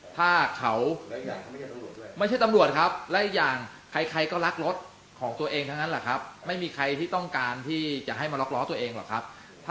ถ้าเขาไม่ใช่ตำรวจครับและอีกอย่างใครก็รักรถของตัวเองทั้งนั้นแหละครับไม่มีใครที่ต้องการที่จะให้มาล็อกล้อตัวเองหรอกครับ